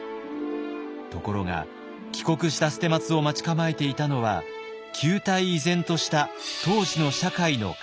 ところが帰国した捨松を待ち構えていたのは旧態依然とした当時の社会の壁でした。